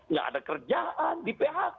nggak ada kerjaan di phk